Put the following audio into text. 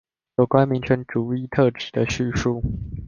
有關民權主義特質的敘述